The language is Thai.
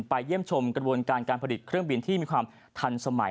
เยี่ยมชมกระบวนการการผลิตเครื่องบินที่มีความทันสมัย